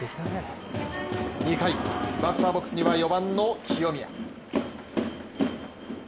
２回、バッターボックスには４番の清宮。